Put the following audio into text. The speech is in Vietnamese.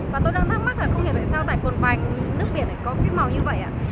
và tôi đang thắc mắc là không hiểu tại sao tại cồn vành nước biển có màu như vậy ạ